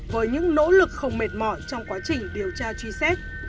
với những nỗ lực không mệt mỏi trong quá trình điều tra truy xét